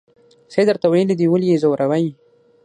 څه یې درته ویلي دي ولې یې ځوروئ.